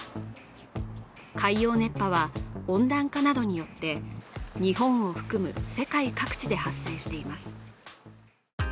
海洋熱波は温暖化などによって、日本を含む世界各地で発生しています。